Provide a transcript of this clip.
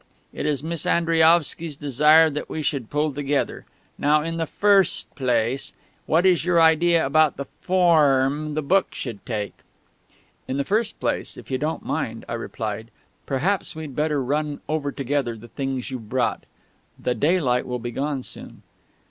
It is Miss Andriaovsky's desire that we should pull together. Now, in the firrst place, what is your idea about the forrm the book should take?" "In the first place, if you don't mind," I replied, "perhaps we'd better run over together the things you've brought. The daylight will be gone soon."